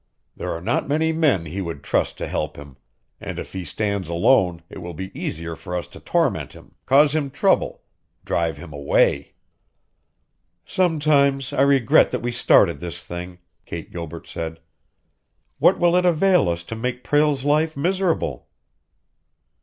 There are not many men he would trust to help him. And, if he stands alone, it will be easier for us to torment him, cause him trouble, drive him away!" "Sometimes I regret that we started this thing," Kate Gilbert said. "What will it avail us to make Prale's life miserable?"